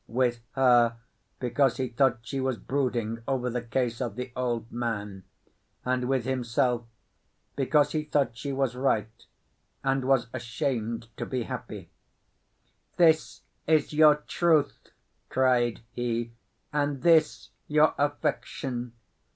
With her, because he thought she was brooding over the case of the old man; and with himself, because he thought she was right, and was ashamed to be so happy. "This is your truth," cried he, "and this your affection!